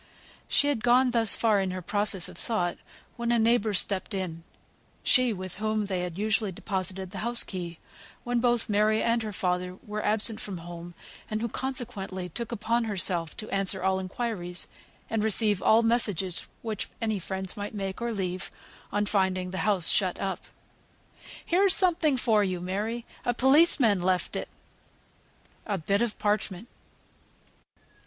She had gone thus far in her process of thought, when a neighbour stepped in; she with whom they had usually deposited the house key, when both Mary and her father were absent from home, and who consequently took upon herself to answer all inquiries, and receive all messages which any friends might make, or leave, on finding the house shut up. "Here's somewhat for you, Mary! A policeman left it." A bit of parchment.